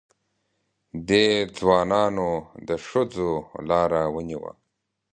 دې ځوانانو د ښځو لاره ونیوه.